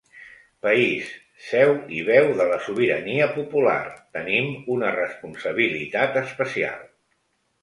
País, seu i veu de la sobirania popular, tenim una responsabilitat especial.